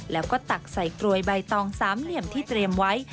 แล้วก็ตักใส่กรวยใบตองสามเหลี่ยมที่เตรียมไว้